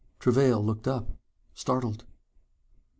Travail looked up, startled.